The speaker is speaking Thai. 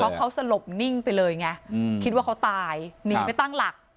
เพราะเขาสลบนิ่งไปเลยไงคิดว่าเขาตายหนีไปตั้งหลัก